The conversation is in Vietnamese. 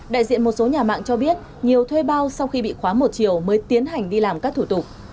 đại diện một số nhà mạng cho biết nhiều thuê bao sau khi bị khóa một chiều mới tiến hành đi làm các thủ tục